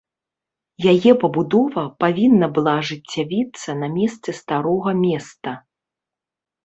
Яе пабудова павінна была ажыццявіцца на месцы старога места.